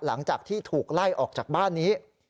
หลังจากที่ถูกไล่ออกจากบ้านนี้